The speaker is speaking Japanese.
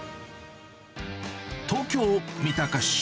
東京・三鷹市。